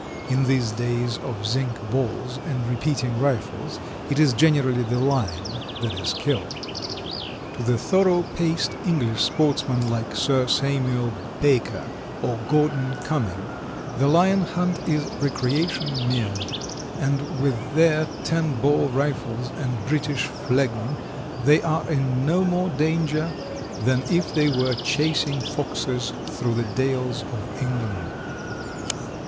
In these days of zinc balls and repeating rifles it is generally the Lion that is killed. To the thorough paced English sportsman like Sir Samuel Baker or Gordon Cumming the Lion hunt is recreation merely, and with their ten bore rifles and British phlegm they are in no more danger than if they were chasing foxes through the dales of England.